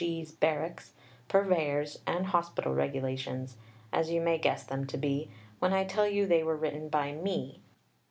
G's., Barracks', Purveyor's and Hospital Regulations," as you may guess them to be, when I tell you they were written by me....